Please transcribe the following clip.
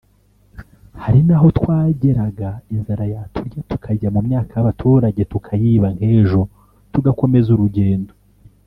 hari n’aho twageraga inzara yaturya tukajya mu myaka y’abaturage tukayiba nk’ejo tugakomeza urugendo